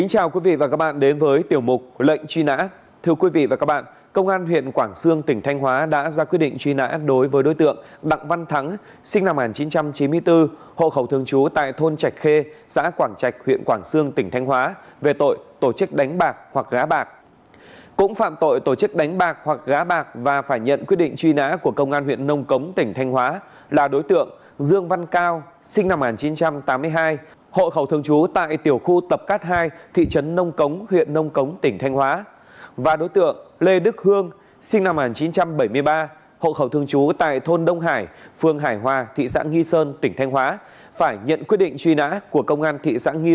hãy đăng ký kênh để ủng hộ kênh của chúng mình nhé